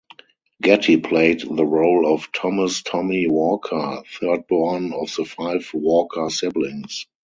Getty played the role of Thomas "Tommy" Walker, third-born of the five Walker siblings.